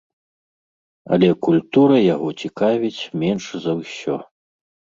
Але культура яго цікавіць менш за ўсё.